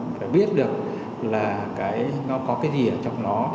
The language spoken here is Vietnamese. phải biết được là cái nó có cái gì ở trong nó